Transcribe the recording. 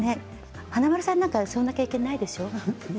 華丸さんなんかそういう経験ないでしょう？